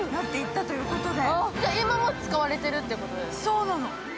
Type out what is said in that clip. そうなの。